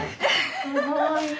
すごい。